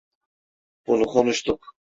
Bunu konuştuk.